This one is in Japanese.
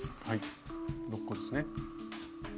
はい６個ですね。